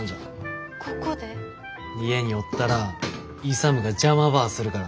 家におったら勇が邪魔ばあするから。